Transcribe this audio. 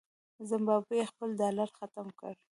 زمبابوې خپل ډالر ختم کړ.